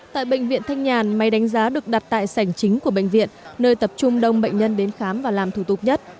tại bệnh viện thanh nhàn máy đánh giá được đặt tại sảnh chính của bệnh viện nơi tập trung đông bệnh nhân đến khám và làm thủ tục nhất